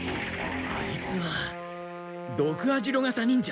アイツはドクアジロガサ忍者！